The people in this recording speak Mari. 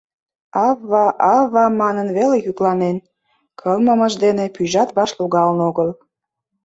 Ав-ва-ав-ва манын веле йӱкланен, кылмымыж дене пӱйжат ваш логалын огыл.